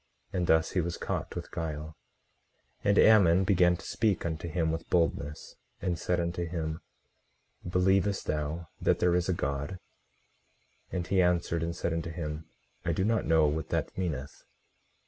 And thus he was caught with guile. 18:24 And Ammon began to speak unto him with boldness, and said unto him: Believest thou that there is a God? 18:25 And he answered, and said unto him: I do not know what that meaneth.